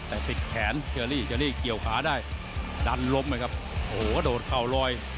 แต่ติดแขนเชอรี่เชอรี่เกี่ยวขาได้ดันล้มนะครับโอ้โหกระโดดเข่าลอย